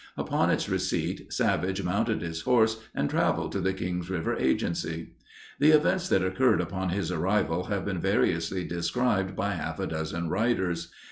Upon its receipt, Savage mounted his horse and traveled to the Kings River Agency. The events that occurred upon his arrival have been variously described by half a dozen writers.